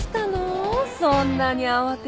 そんなに慌てちゃって。